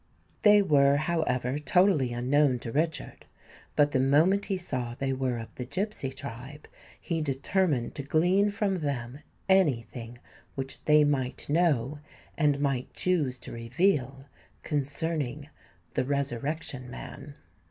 They were, however, totally unknown to Richard: but the moment he saw they were of the gipsy tribe, he determined to glean from them any thing which they might know and might choose to reveal concerning the Resurrection Man.